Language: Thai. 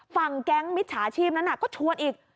แก๊งมิจฉาชีพนั้นก็ชวนอีก